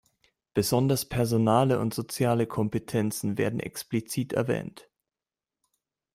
Besonders personale und soziale Kompetenzen werden explizit erwähnt.